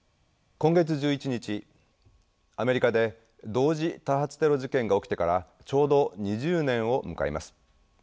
今月１１日アメリカで同時多発テロ事件が起きてからちょうど２０年を迎えます。